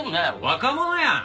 若者やん！